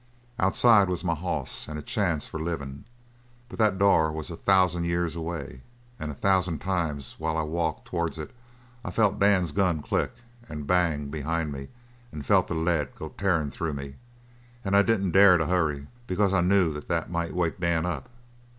Outside was my hoss, and a chance for livin'. But that door was a thousand years away, and a thousand times while I walked towards it I felt Dan's gun click and bang behind me and felt the lead go tearin' through me. And I didn't dare to hurry, because I knew that might wake Dan up.